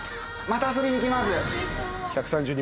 また遊びに来ます。